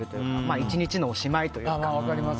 １日のおしまいというか。